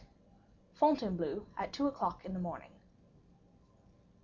Fontainebleau at Two o'Clock in the Morning.